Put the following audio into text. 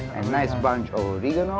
dan banyak banyak oregano